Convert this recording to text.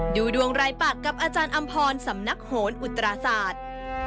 ดูดวงรายปากกับอาจารย์อำพรสำนักโหนอุตราศาสตร์